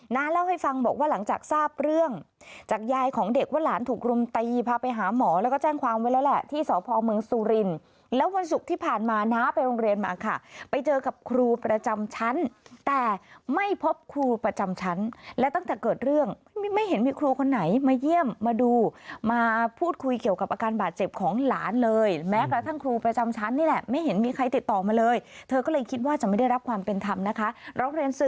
น้าเล่าให้ฟังบอกว่าหลังจากทราบเรื่องจากยายของเด็กว่าหลานถูกรุมตีพาไปหาหมอแล้วก็แจ้งความไว้แล้วแหละที่สพเมืองสุรินทร์แล้ววันศุกร์ที่ผ่านมาน้าไปโรงเรียนมาค่ะไปเจอกับครูประจำชั้นแต่ไม่พบครูประจำชั้นและตั้งแต่เกิดเรื่องไม่เห็นมีครูคนไหนมาเยี่ยมมาดูมาพูดคุยเกี่ยวกับอาการบาดเจ็บ